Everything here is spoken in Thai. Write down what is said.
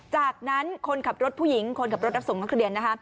จากนั้นคนขับรถผู้หญิงคนขับรถรับส่งนักเรียนนะคะ